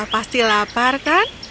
kau pasti lapar kan